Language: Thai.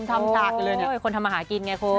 คนทำจากเลยคนทำอาหารกินไงครับคุณ